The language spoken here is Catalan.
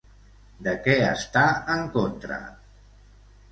De què està en contra?